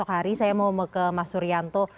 hari saya mau ke mas suryanto